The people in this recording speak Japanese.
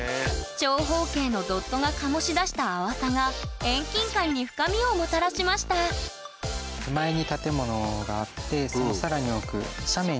長方形のドットが醸し出した淡さが遠近感に深みをもたらしましたいやすごいわ。